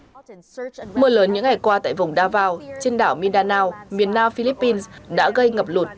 mưa lớn những ngày qua tại vùng davao trên đảo mindanao miền nao philippines đã gây ngập lụt